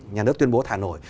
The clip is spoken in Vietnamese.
nhà nước tuyên bố thả nổi